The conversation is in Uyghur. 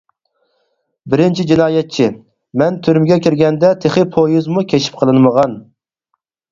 بىرىنچى جىنايەتچى: مەن تۈرمىگە كىرگەندە تېخى پويىزمۇ كەشىپ قىلىنمىغان.